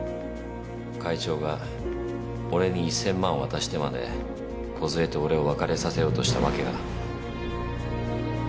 会長が俺に１，０００万渡してまで梢と俺を別れさせようとした訳が。